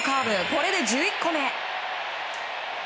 これで１１個目！